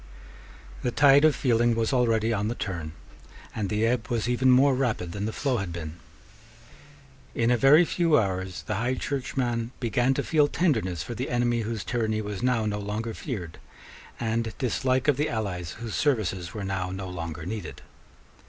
The tide of feeling was already on the turn; and the ebb was even more rapid than the flow had been. In a very few hours the High Churchman began to feel tenderness for the enemy whose tyranny was now no longer feared, and dislike of the allies whose services were now no longer needed.